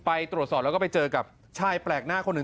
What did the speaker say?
ไปตรวจสอบแล้วก็ไปเจอกับชายแปลกหน้าคนหนึ่ง